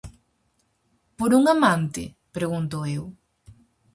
Por un amante? -pregunto eu.